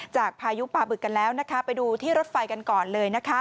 จากพายุปลาบึกกันแล้วไปดูที่รถไฟกันก่อนเลย